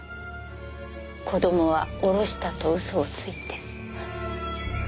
子供は堕ろしたと嘘をついて。